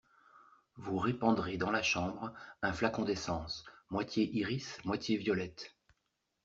Vous répandrez dans la chambre un flacon d’essence… moitié iris, moitié violette.